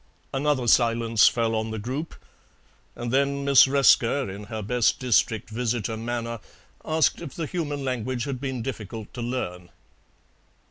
Another silence fell on the group, and then Miss Resker, in her best district visitor manner, asked if the human language had been difficult to learn.